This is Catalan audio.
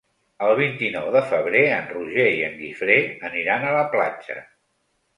El vint-i-nou de febrer en Roger i en Guifré aniran a la platja.